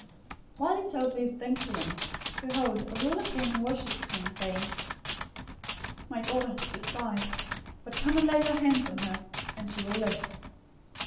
009:018 While he told these things to them, behold, a ruler came and worshiped him, saying, "My daughter has just died, but come and lay your hand on her, and she will live."